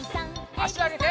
あしあげて。